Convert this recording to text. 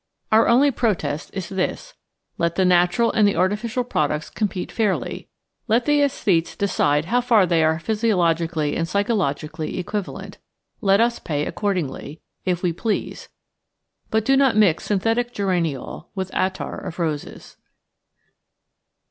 Our only pro 752 The Outline of Science test is this: Let the natural and the artificial products compete fairly; let the {Esthetes decide how far they are physiologically and psychologically equivalent; let us pay accordingly, if we please ; but do not mix synthetic geraniol with attar of roses.